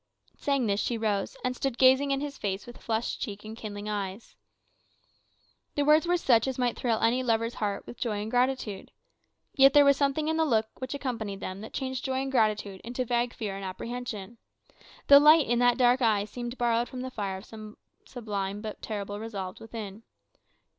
Saying this, she rose, and stood gazing in his face with flushed cheek and kindling eyes. The words were such as might thrill any lover's heart with joy and gratitude. Yet there was something in the look which accompanied them that changed joy and gratitude into vague fear and apprehension. The light in that dark eye seemed borrowed from the fire of some sublime but terrible resolve within.